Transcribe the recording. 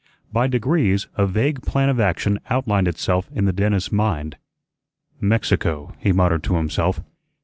By degrees a vague plan of action outlined itself in the dentist's mind. "Mexico," he muttered to himself.